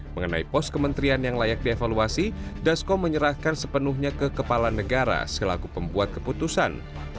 mengenai pos kementerian yang layak dievaluasi dasko menyerahkan sepenuhnya ke kepala negara selaku pembuat keputusan